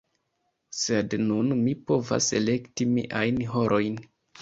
Sed nun mi povas elekti miajn horojn.